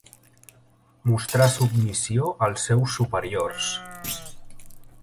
Mostrar submissió als seus superiors.